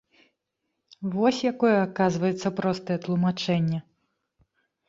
Вось якое, аказваецца, простае тлумачэнне!